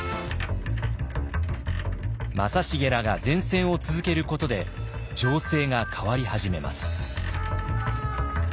正成らが善戦を続けることで情勢が変わり始めます。